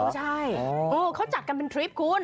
ใช่เขาจัดกันเป็นทริปคุณ